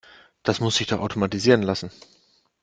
Das muss sich doch automatisieren lassen.